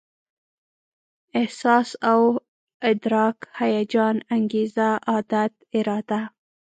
احساس او ادراک، هيجان، انګېزه، عادت، اراده